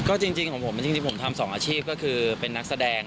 ก็จริงของผมจริงผมทำ๒อาชีพก็คือเป็นนักแสดง